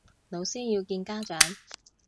老師要見家長